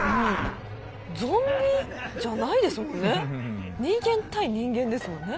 ゾンビじゃないですもんね人間対人間ですもんね。